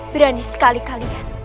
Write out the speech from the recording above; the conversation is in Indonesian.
berani sekali kalian